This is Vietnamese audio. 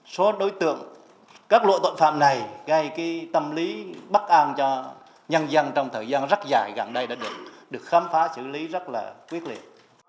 số đối tượng các lộ tội phạm này gây tâm lý bắc an cho nhân dân trong thời gian rất dài gần đây đã được khám phá xử lý rất là quyết liệt